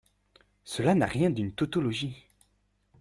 Cela n’a rien d’une tautologie.